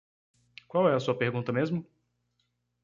Qual é a sua pergunta mesmo?